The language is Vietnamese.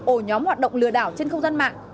ổ nhóm hoạt động lừa đảo trên không gian mạng